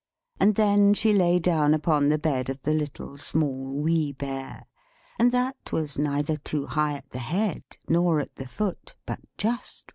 So then she lay down on the bed of the Little, Small, Wee Bear, and that was neither too high at the head nor too high at the foot, but just right.